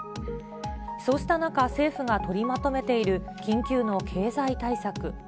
そうした中、政府が取りまとめている緊急の経済対策。